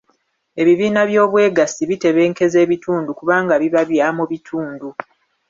Ebibiina by'obwegassi bitebenkeza ebitundu kubanga biba bya mu bitundu.